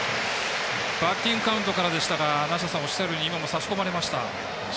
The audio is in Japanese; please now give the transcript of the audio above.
バッティングカウントからでしたが梨田さんがおっしゃるように今も差し込まれました。